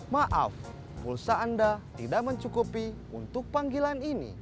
maaf pulsa anda tidak mencukupi untuk panggilan ini